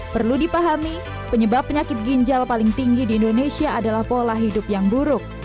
perlu dipahami penyebab penyakit ginjal paling tinggi di indonesia adalah pola hidup yang buruk